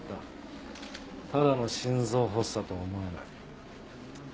ただの心臓発作とは思えない。